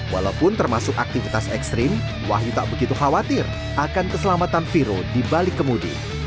walaupun termasuk aktivitas ekstrim wahyu tak begitu khawatir akan keselamatan viro di balik kemudi